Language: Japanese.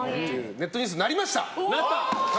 ネットニュースになりました！